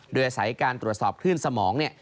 โดยอาศัยการตรวจสอบขึ้นสมอง